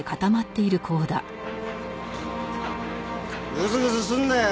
ぐずぐずするなよ。